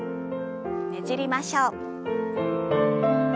ねじりましょう。